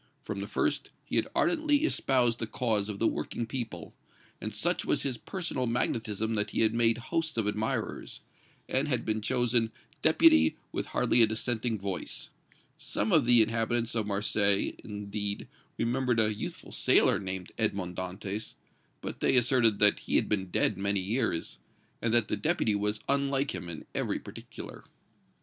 From the first he had ardently espoused the cause of the working people, and such was his personal magnetism that he had made hosts of admirers, and had been chosen Deputy with hardly a dissenting voice. Some of the inhabitants of Marseilles, indeed, remembered a youthful sailor named Edmond Dantès, but they asserted that he had been dead many years, and that the Deputy was unlike him in every particular.